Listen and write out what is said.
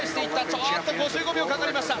ちょっと５５秒かかりました。